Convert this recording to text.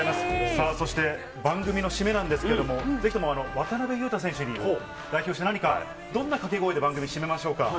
さあ、そして、番組の締めなんですけれども、ぜひとも、渡邊雄太選手に代表して何か、どんな掛け声で番組締めましょうか。